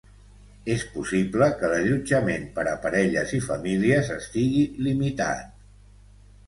És possible que l'allotjament per a parelles i famílies estigui limitat.